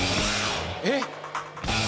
えっ！？